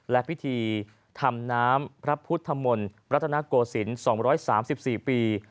และพิธีธรรมน้ำพระพุทธมลประตานโกสินทร์๒๓๔ปี